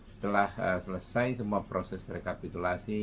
setelah selesai semua proses rekapitulasi